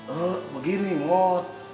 eh begini mod